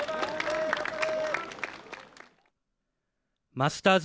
マスターズ